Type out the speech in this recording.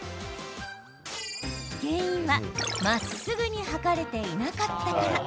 原因は、まっすぐに測れていないから。